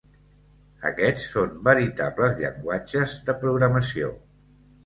Aquests són veritables llenguatges de programació.